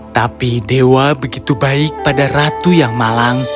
tapi dewa begitu baik pada ratu yang malang